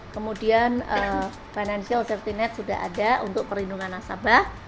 kemudian financial safety net sudah ada untuk perlindungan nasabah